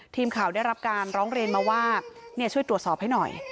ทีมข่าวได้รับการร้องเรียนมาว่าช่วยตรวจสอบให้หน่อย